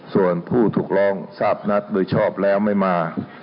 ส่วนผู้ถูกร้องทราบนัดโดยชอบแล้วไม่มา